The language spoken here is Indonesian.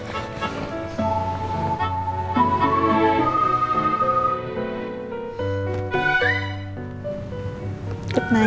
aku gak maksa